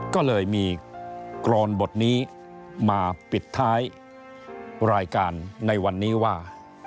ก็เลยมีกรอนบทนี้มาปิดท้ายรายการในวันนี้ว่า